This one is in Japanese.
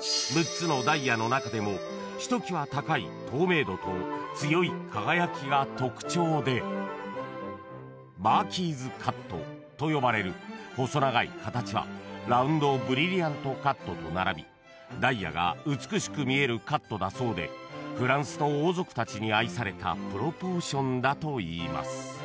［６つのダイヤの中でもひときわ高い透明度と強い輝きが特徴でマーキーズカットと呼ばれる細長い形はラウンドブリリアントカットと並びダイヤが美しく見えるカットだそうでフランスの王族たちに愛されたプロポーションだといいます］